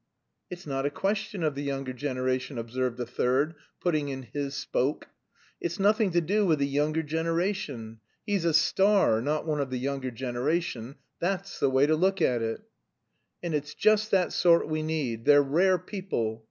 "It's not a question of the younger generation," observed a third, putting in his spoke, "it's nothing to do with the younger generation; he's a star, not one of the younger generation; that's the way to look at it." "And it's just that sort we need; they're rare people."